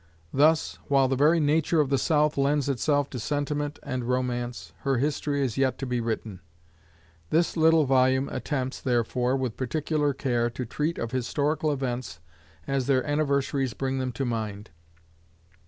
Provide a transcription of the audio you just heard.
Thus, while the very nature of the South lends itself to sentiment and romance, her history is yet to be written. This little volume attempts, therefore, with particular care, to treat of historical events as their anniversaries bring them to mind.